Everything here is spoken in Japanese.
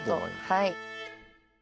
はい。